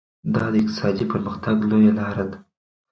دا د اقتصادي پرمختګ لویه لار ده.